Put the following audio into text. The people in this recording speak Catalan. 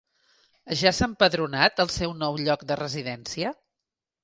Ja s'ha empadronat al seu nou lloc de residència?